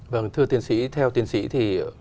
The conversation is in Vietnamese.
vâng thưa tiến sĩ theo tiến sĩ thì